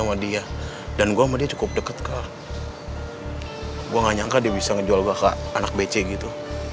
wa dia dan gua maju cukup deket kalau gua nggak nyangka bisa ngejual kakak anak becing itu